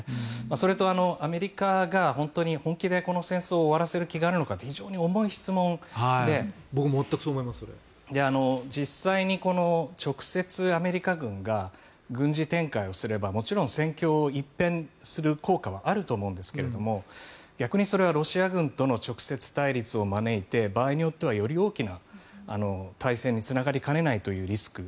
それと、アメリカが本当に本気でこの戦争を終わらせる気があるのかって非常に重い質問で実際にこの直接、アメリカ軍が軍事展開をすればもちろん戦況を一変する効果はあると思うんですが逆にそれはロシア軍との直接対立を招いて場合によってはより大きな大戦につながりかねないというリスク。